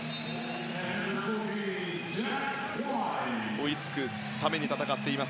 追いつくために戦っています。